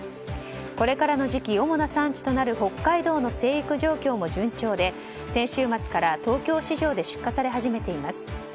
これからの時期、主な産地となる北海道の生育状況も順調で先週末から東京市場で出荷され始めています。